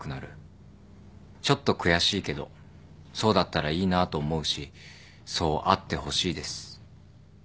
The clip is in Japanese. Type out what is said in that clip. ちょっと悔しいけどそうだったらいいなぁと思うしそうあってほしいです。